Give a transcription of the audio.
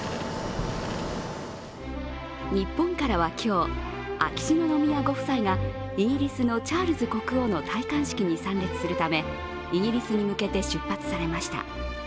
日本からは今日、秋篠宮ご夫妻がイギリスのチャールズ国王の戴冠式に参列するためイギリスに向けて出発されました。